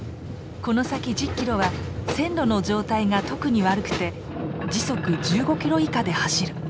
この先１０キロは線路の状態が特に悪くて時速１５キロ以下で走る。